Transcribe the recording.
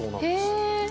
へえ。